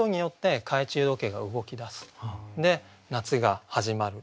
で夏が始まる。